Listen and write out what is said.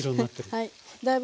はい。